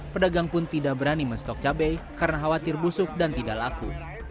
pedagang pun tidak berani menstok cabai karena khawatir busuk dan tidak laku